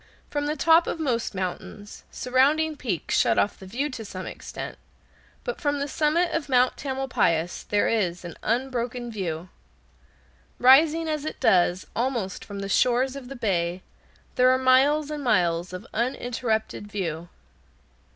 From the top of most mountains surrounding peaks shut off the view to some extent, but from the summit of Mount Tamalpais there is an unbroken view. Rising as it does almost from the shores of the bay, there are miles and miles of uninterrupted view.